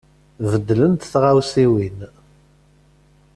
Beddlent tɣawsiwin.